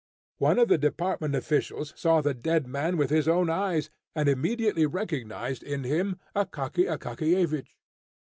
One of the department officials saw the dead man with his own eyes, and immediately recognised in him Akaky Akakiyevich.